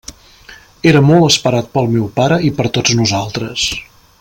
Era molt esperat pel meu pare i per tots nosaltres.